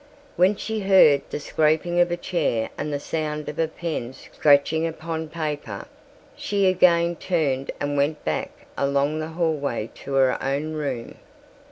When she heard the scraping of a chair and the sound of a pen scratching upon paper, she again turned and went back along the hallway to her own room.